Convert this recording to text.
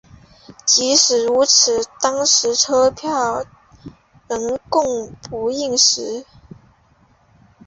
即使如此当时车票仍供不应求。